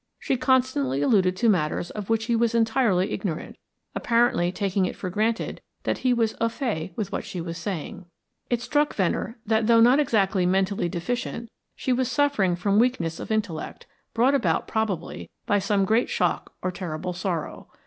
She constantly alluded to matters of which he was entirely ignorant, apparently taking it for granted that he was au fait with what she was saying. It struck Venner that though not exactly mentally deficient, she was suffering from weakness of intellect, brought about, probably, by some great shock or terrible sorrow.